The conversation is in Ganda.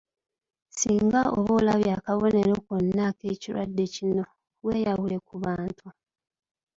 Singa oba olabye akabonero konna ak’ekirwadde kino, weeyawule ku bantu.